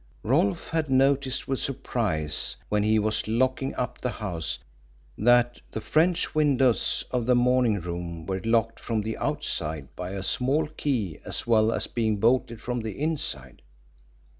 Rolfe had noticed with surprise when he was locking up the house that the French windows of the morning room were locked from the outside by a small key as well as being bolted from the inside.